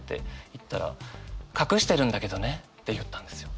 言ったら「隠してるんだけどね」って言ったんですよ。